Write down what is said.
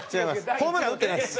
ホームラン打ってないです。